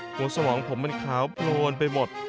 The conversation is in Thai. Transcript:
หัวสว่างผมมันขาวโปรนไปหมด